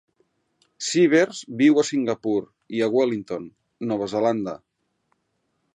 Sivers viu a Singapur i a Wellington, Nova Zelanda.